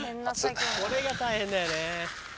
これが大変だよね。